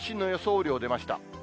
雨量、出ました。